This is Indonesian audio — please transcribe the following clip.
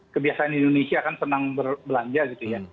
kebiasaan indonesia kan senang berbelanja gitu ya